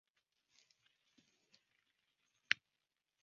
入库列车则利用该横渡线前往车库。